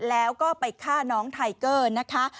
แล้วก็ไปฆ่าน้องไทเกอร์นะคะ